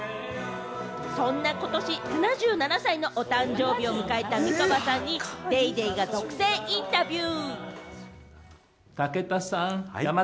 そんな今年７７歳のお誕生日を迎えた美川さんに『ＤａｙＤａｙ．』が独占インタビュー。